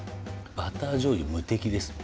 バターじょうゆ無敵ですね。